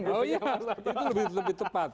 oh iya mas loto itu lebih tepat